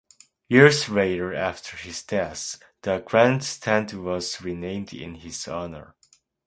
Years later after his death, the grandstand was renamed in his honor.